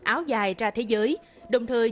áo dài ra thế giới đồng thời